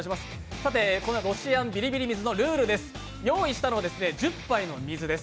このロシアンビリビリ水のルールです。